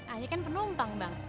ayah kan penumpang bang